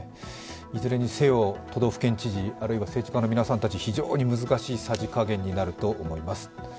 いずれにせよ、都道府県知事あるいは政治家の皆さんたち、非常に難しいさじ加減になると思います。